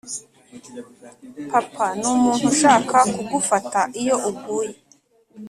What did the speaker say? “papa ni umuntu ushaka kugufata iyo uguye.